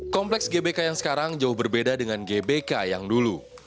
kompleks gbk yang sekarang jauh berbeda dengan gbk yang dulu